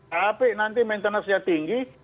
tapi nanti maintenance nya tinggi